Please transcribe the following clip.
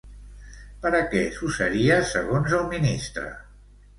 Per a què s'usaria, segons el ministre?